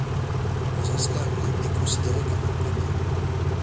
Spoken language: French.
Le Zanskari est considéré comme un poney.